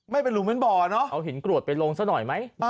มันเป็นลุมเป็นบ่อเนอะเอาหินกรวดไปลงซะหน่อยไหม